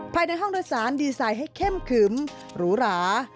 ภายในห้องโดยสารดีไซน์ให้เข้มขึมหรูหรา